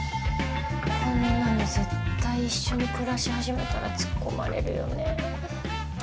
こんなの絶対一緒に暮らし始めたら突っ込まれるよね。